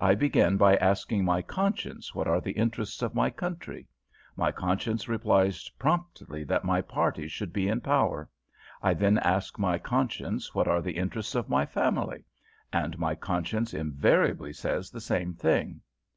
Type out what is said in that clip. I begin by asking my conscience what are the interests of my country. My conscience replies promptly that my party should be in power. I then ask my conscience what are the interests of my family, and my conscience invariably says the same thing.